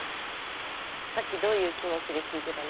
さっきどういう気持ちで聴いてたの？